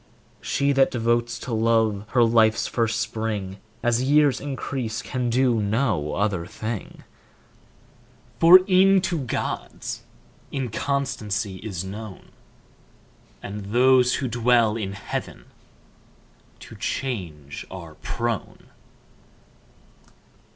She that devotes to love her life's first spring, As years increase can do no other thing; For e'en to gods inconstancy is known, And those who dwell in heaven to change are prone.